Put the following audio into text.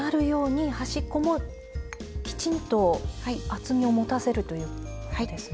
端っこもきちんと厚みを持たせるということですね。